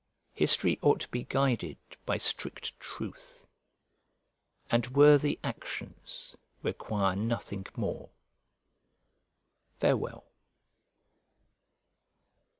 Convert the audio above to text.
History ought to be guided by strict truth, and worthy actions require nothing more. Farewell.